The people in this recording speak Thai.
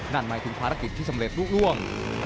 นั่นหมายถึงภารกิจสำเร็จรวบ